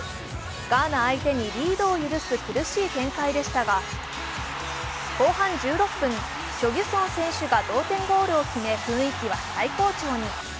ガーナ相手にリードを許す苦しい展開でしたが後半１６分、チョ・ギュソン選手が同点ゴールを決め雰囲気は最高潮に。